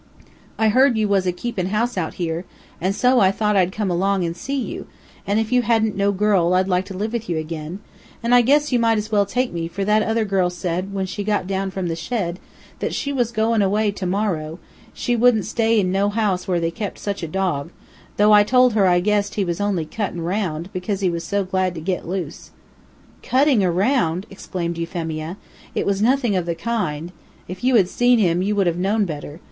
I heard you was akeepin' house out here, and so I thought I'd come along and see you, and if you hadn't no girl I'd like to live with you again, and I guess you might as well take me, for that other girl said, when she got down from the shed, that she was goin' away to morrow; she wouldn't stay in no house where they kept such a dog, though I told her I guessed he was only cuttin' 'round because he was so glad to get loose." "Cutting around!" exclaimed Euphemia. "It was nothing of the kind. If you had seen him you would have known better.